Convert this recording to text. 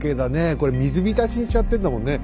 これ水浸しにしちゃってんだもんね。